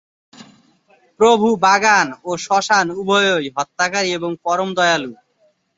প্রভু বাগান ও শ্মশান উভয়ই, হত্যাকারী ও পরম দয়ালু।